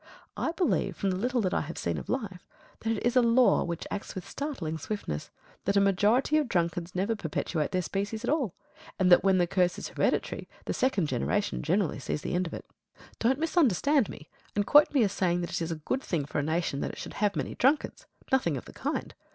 I believe from the little that I have seen of life, that it is a law which acts with startling swiftness, that a majority of drunkards never perpetuate their species at all, and that when the curse is hereditary, the second generation generally sees the end of it. Don't misunderstand me, and quote me as saying that it is a good thing for a nation that it should have many drunkards. Nothing of the kind.